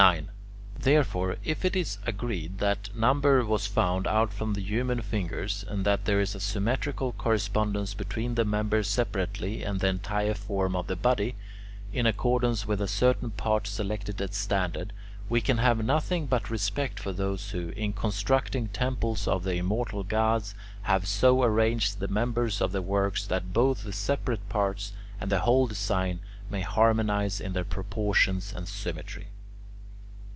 Therefore, if it is agreed that number was found out from the human fingers, and that there is a symmetrical correspondence between the members separately and the entire form of the body, in accordance with a certain part selected as standard, we can have nothing but respect for those who, in constructing temples of the immortal gods, have so arranged the members of the works that both the separate parts and the whole design may harmonize in their proportions and symmetry.